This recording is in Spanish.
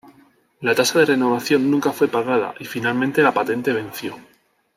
La tasa de renovación nunca fue pagada y, finalmente, la patente venció.